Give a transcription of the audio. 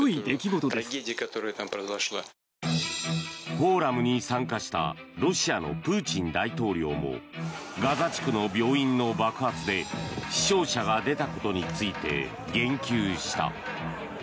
フォーラムに参加したロシアのプーチン大統領もガザ地区の病院の爆発で死傷者が出たことについて言及した。